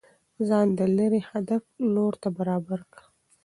ځان د ليري هدف لور ته برابر كه